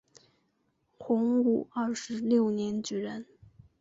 洪武二十六年举人。